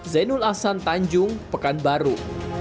zainul ahsan tanjung pekanbaru